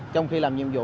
trong khi làm nhiệm vụ